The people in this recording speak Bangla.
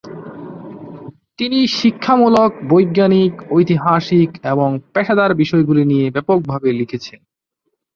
তিনি শিক্ষামূলক, বৈজ্ঞানিক, ঐতিহাসিক এবং পেশাদার বিষয়গুলি নিয়ে ব্যাপকভাবে লিখেছিলেন।